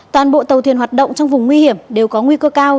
toàn bộ tàu thuyền hoạt động trong vùng nguy hiểm đều có nguy cơ cao